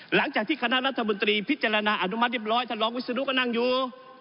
หลังจากที่คณะรัฐมนตรีพิจารณาอนุมัติเรียบร้อยท่านรองวิศนุก็นั่งอยู่